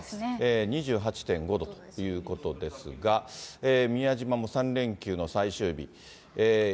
２８．５度ということですが、宮島も３連休の最終日。